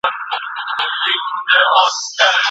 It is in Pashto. زعفران یوه بېلګه ده.